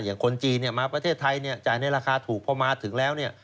อย่างคนจีนมาประเทศไทยจ่ายในราคาถูกเพราะมาถึงแล้ว